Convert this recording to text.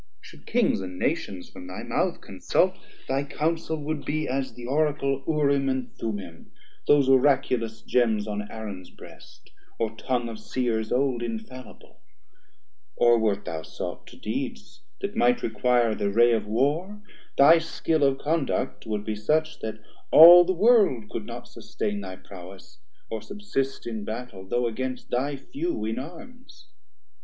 Should Kings and Nations from thy mouth consult, Thy Counsel would be as the Oracle Urim and Thummin, those oraculous gems On Aaron's breast: or tongue of Seers old Infallible; or wert thou sought to deeds That might require th' array of war, thy skill Of conduct would be such, that all the world Could not sustain thy Prowess, or subsist In battel, though against thy few in arms.